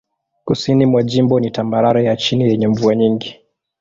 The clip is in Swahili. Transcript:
Kusini mwa jimbo ni tambarare ya chini yenye mvua nyingi.